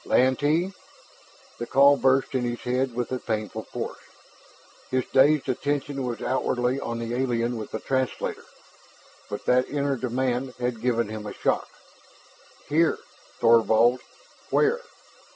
"Lantee!" The call burst in his head with a painful force. His dazed attention was outwardly on the alien with the translator, but that inner demand had given him a shock. "Here! Thorvald? Where?"